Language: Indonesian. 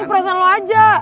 ini perasaan lo aja